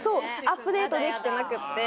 アップデートできてなくって。